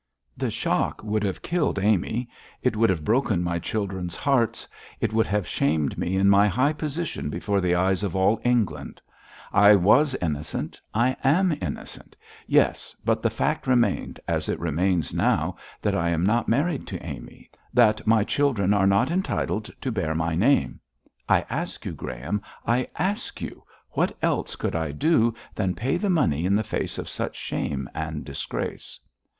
The shock would have killed Amy; it would have broken my children's hearts; it would have shamed me in my high position before the eyes of all England. I was innocent; I am innocent. Yes, but the fact remained, as it remains now, that I am not married to Amy, that my children are not entitled to bear my name. I ask you, Graham I ask you, what else could I do than pay the money in the face of such shame and disgrace?'